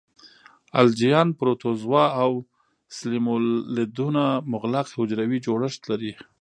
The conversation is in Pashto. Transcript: الجیان، پروتوزوا او سلیمولدونه مغلق حجروي جوړښت لري.